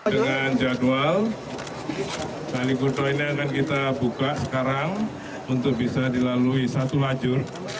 dengan jadwal kalikuto ini akan kita buka sekarang untuk bisa dilalui satu lajur